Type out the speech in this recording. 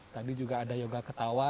tadi juga ada yoga ketawa